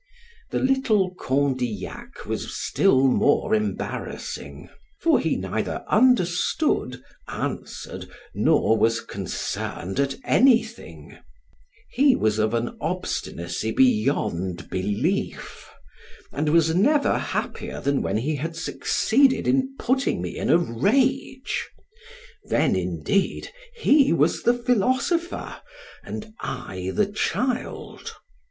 The little Condillac was still more embarrassing; for he neither understood, answered, nor was concerned at anything; he was of an obstinacy beyond belief, and was never happier than when he had succeeded in putting me in a rage; then, indeed, he was the philosopher, and I the child.